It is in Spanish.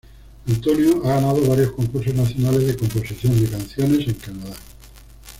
Antonio ha ganado varios concursos nacionales de composición de canciones en Canadá.